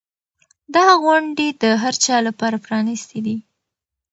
دا غونډې د هر چا لپاره پرانیستې دي.